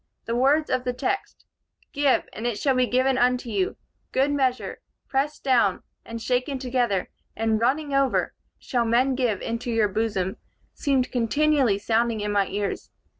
The words of the text, 'Give, and it shall be given unto you; good measure, pressed down, and shaken together, and running over, shall men give into your bosom,' seemed continually sounding in my ears.